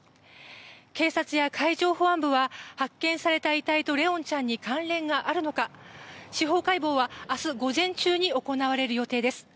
警察や海上保安部は発見された遺体と怜音ちゃんに関連があるのか司法解剖は明日午前中に行われる予定です。